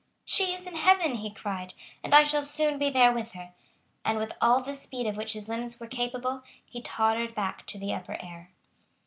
"She is in heaven," he cried; "and I shall soon be there with her;" and, with all the speed of which his limbs were capable, he tottered back to the upper air.